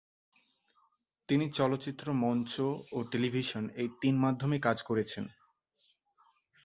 তিনি চলচ্চিত্র, মঞ্চ ও টেলিভিশন এই তিন মাধ্যমেই কাজ করেছেন।